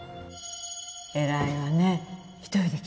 偉いわね一人で来たの？